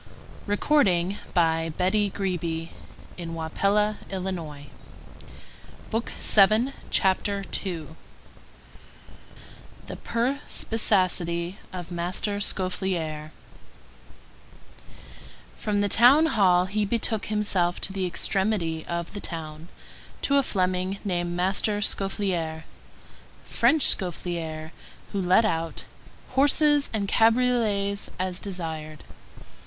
He wrote a few figures on a bit of paper with a pencil. CHAPTER II—THE PERSPICACITY OF MASTER SCAUFFLAIRE From the town hall he betook himself to the extremity of the town, to a Fleming named Master Scaufflaer, French Scaufflaire, who let out "horses and cabriolets as desired."